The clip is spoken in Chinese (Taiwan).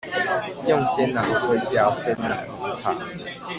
用鮮奶會叫鮮奶紅茶